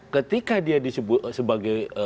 ketika dia disebut sebagai